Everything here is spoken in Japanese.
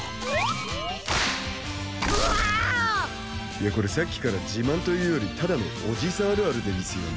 いやこれさっきから自慢というよりただのおじいさんあるあるでうぃすよね。